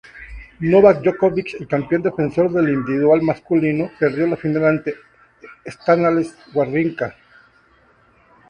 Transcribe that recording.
Novak Djokovic, el campeón defensor del individual masculino, perdió la final ante Stanislas Wawrinka.